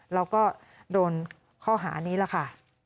เราก็โดนข้อหานี้แหละค่ะ